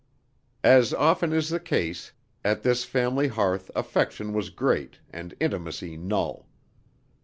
As often is the case, at this family hearth affection was great and intimacy null.